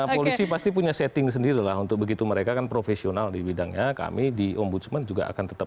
polisi pasti punya setting sendiri lah untuk begitu mereka kan profesional di bidangnya kami di ombudsman juga akan tetap